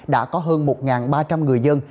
đã có hơn một ba trăm linh người dân